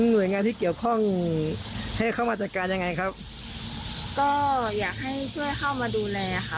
หน่วยงานที่เกี่ยวข้องให้เข้ามาจัดการยังไงครับก็อยากให้ช่วยเข้ามาดูแลค่ะ